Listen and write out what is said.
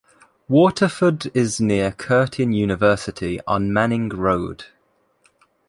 Waterford is near Curtin University on Manning Road.